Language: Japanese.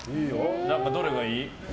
どれがいい？